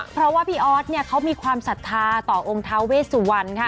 เพราะว่าพี่ออสเขามีความศรัทธาต่อองค์ท้าเวสวรรณค่ะ